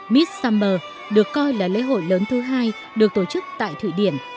miss summer được coi là lễ hội lớn thứ hai được tổ chức tại thụy điển